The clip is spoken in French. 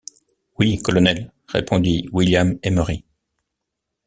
Oui, colonel, répondit William Emery.